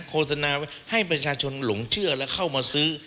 โฆษณาไว้ให้ประชาชนหลงเชื่อและเข้ามาซื้อ